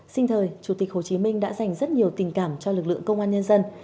sinh thời chủ tịch hồ chí minh đã dành rất nhiều tình cảm cho lực lượng công an nhân dân